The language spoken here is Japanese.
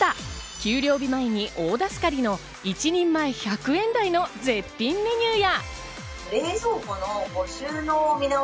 給料日前に大助かりの１人前１００円台の絶品メニューや。